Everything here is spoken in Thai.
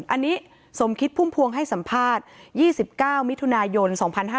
อันนี้สมคิดพุ่มพวงให้สัมภาษณ์๒๙มิถุนายน๒๕๕๙